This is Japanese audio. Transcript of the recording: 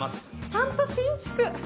ちゃんと新築。